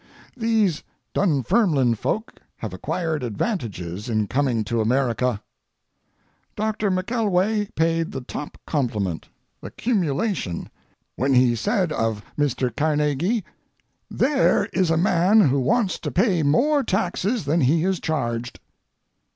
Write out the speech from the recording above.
These Dunfermline folk have acquired advantages in coming to America. Doctor McKelway paid the top compliment, the cumulation, when he said of Mr. Carnegie: "There is a man who wants to pay more taxes than he is charged."